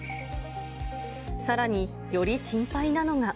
さらに、より心配なのが。